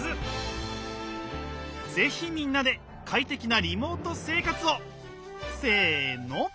是非みんなで快適なリモート生活をせの！